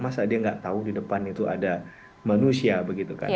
masa dia nggak tahu di depan itu ada manusia begitu kan